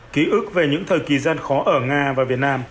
ký ức về những thời kỳ gian khó ở nga và việt nam